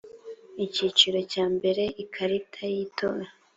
icyiciro cya mbere ikarita y itora